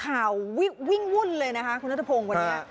ข่าววิ่งวุ่นเลยนะคะคุณนัทพงศ์วันนี้